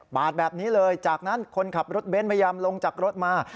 แบบนี้เลยจากนั้นคนขับรถเบ้นพยายามลงจากรถมา